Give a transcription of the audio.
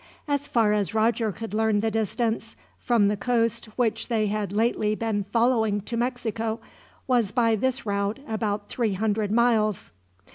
As far as Roger could learn the distance, from the coast which they had lately been following to Mexico, was by this route about three hundred miles.